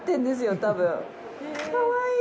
かわいい。